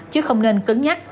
chứ không nên cứng nhắc